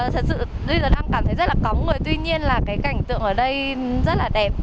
thật sự bây giờ đang cảm thấy rất là cóng rồi tuy nhiên là cái cảnh tượng ở đây rất là đẹp